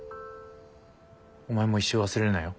お前も一生忘れるなよ。